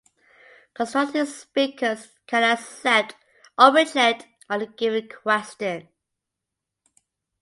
Constructive speakers can accept or reject any given question.